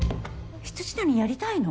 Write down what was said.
未谷やりたいの？